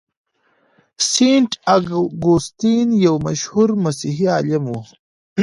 سينټ اګوستين يو مشهور مسيحي عالم و.